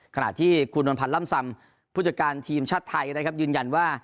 ขณะที่คุณนวลพันธ์ล่ำซำผู้จัดการทีมชาติไทยนะครับยืนยันว่า